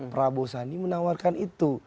pak prabowo dan bang sandi menawarkan itu